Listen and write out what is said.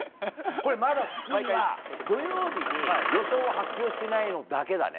まだ救いは、土曜日に予想を発表していないのだけだね。